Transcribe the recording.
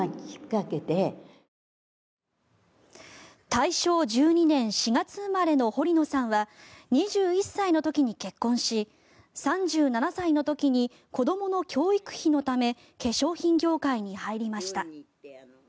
大正１２年４月生まれの堀野さんは２１歳の時に結婚し３７歳の時に子どもの教育費のため化粧品業界に入りました。